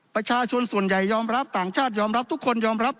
ประชาชนส่วนใหญ่ยอมรับต่างชาติยอมรับทุกคนยอมรับ